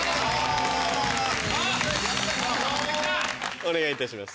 お願いいたします。